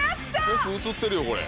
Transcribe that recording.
よく映ってるよこれ。